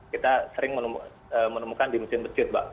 kita sering menemukan di mesin masjid mbak